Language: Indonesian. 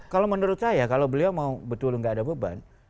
kalau menurut saya kalau beliau mau betul nggak ada beban